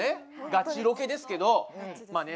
ガチロケですけどまあね